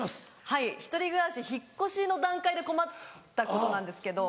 はい１人暮らし引っ越しの段階で困ったことなんですけど。